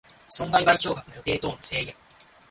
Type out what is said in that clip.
損害賠償額の予定等の制限